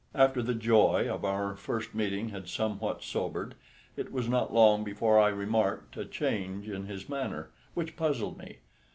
After the joy of our first meeting had somewhat sobered, it was not long before I remarked a change in his manner, which puzzled me.